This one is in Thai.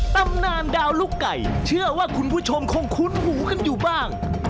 ตำนานดาวลูกไก่เชื่อว่าคุณผู้ชมคงคุ้นหูกันอยู่บ้าง